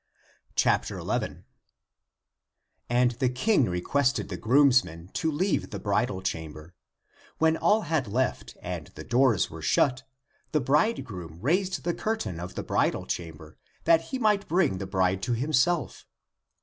11. And the King requested the groomsmen to leave the bridal chamber. When all had left, and the doors were shut, the bridegroom raised the cur tain of the bridal chamber, that he might bring the bride to himself.